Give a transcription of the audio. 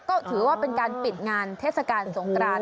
ก็ถือว่าเป็นการปิดงานเทศกาลสงกราน